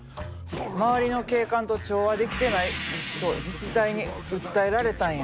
周りの景観と調和できてない」と自治体に訴えられたんや。